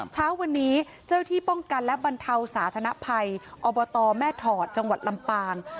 เช้าวันนี้เจ้าที่ป้องกันและบรรเทาสาธนภัยอบตแม่ถอดจังหวัดลำปาง